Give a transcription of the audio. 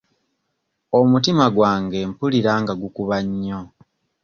Omutima gwange mpulira nga gukuba nnyo.